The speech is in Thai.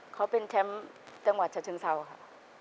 เขาเป็นแชมป์จังหวัดชะเชิงเศร้าค่ะ